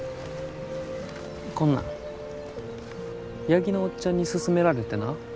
八木のおっちゃんに勧められてな。